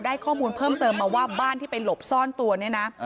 ข้อมูลเพิ่มเติมมาว่าบ้านที่ไปหลบซ่อนตัวเนี่ยนะ